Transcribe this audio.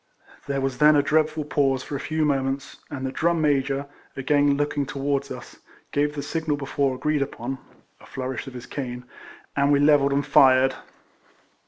There was then a dreadful pause for a few moments, and the Drum Major, again look ing towards us, gave the signal before agreed upon (a flourish of his cane), and we levelled and fired.